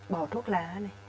bỏ thuốc lá này